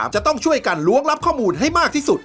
จะต้องช่วยกันล้วงรับข้อมูลให้มากที่สุด